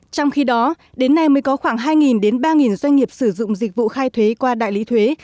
trong khi đó đến nay mới có khoảng hai ba doanh nghiệp sử dụng dịch vụ khai thuế qua đại lý thuế